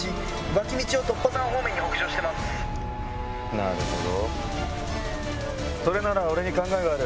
なるほど。